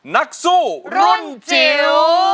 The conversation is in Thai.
นักสู้รุ่นจิ๋ว